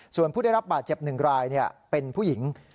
ส่วนผู้ได้รับบาดเจ็บ๑รายเป็นผู้หญิง